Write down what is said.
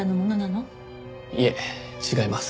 いえ違います。